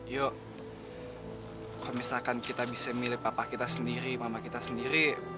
yuk kalau misalkan kita bisa milih bapak kita sendiri mama kita sendiri